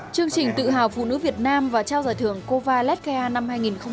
chương trình tự hào phụ nữ việt nam và trao giải thưởng cova ledka năm hai nghìn một mươi sáu